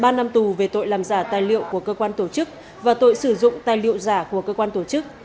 ba năm tù về tội làm giả tài liệu của cơ quan tổ chức và tội sử dụng tài liệu giả của cơ quan tổ chức